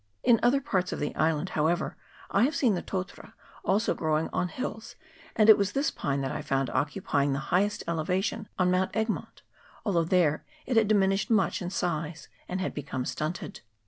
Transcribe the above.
In other parts of the island, however, I have seen the totara also growing on hills, and it was this pine that I found occupying the highest elevation on Mount Egmont, although there it had diminished much in size, and had become stunted.